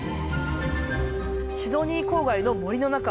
シドニー郊外の森の中。